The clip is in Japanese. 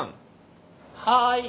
はい。